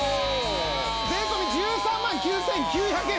税込１３万９９００円です！